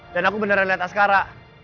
dan aku beneran liat askara